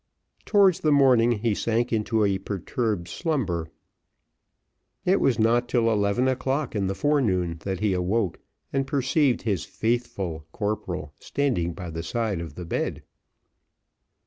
Towards the morning, he sank into a perturbed slumber. It was not till eleven o'clock in the forenoon that he awoke and perceived his faithful corporal standing by the side of the bed.